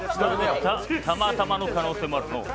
たまたまの可能性もあるのう。